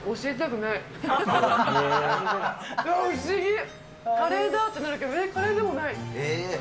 不思議、カレーだってなるけど、カレーでもない。